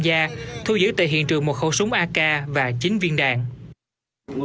với cái địa hình rất là phức tạp ban đêm trời tối